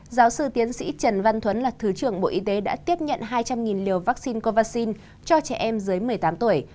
giáo sư tiến sĩ trần văn thuấn là thứ trưởng bộ y tế đã tiếp nhận hai trăm linh liều vaccine covacin cho trẻ em dưới một mươi tám tuổi